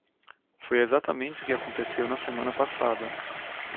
Foi exatamente o que aconteceu na semana passada.